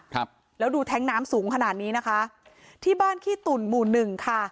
ครับแล้วดูแท้งน้ำสูงขนาดนี้นะคะที่บ้านขี้ตุ่นหมู่หนึ่งค่ะ